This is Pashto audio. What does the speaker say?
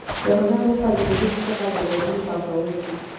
د هنر موخه د روحونو څخه د ګردونو پاکول دي.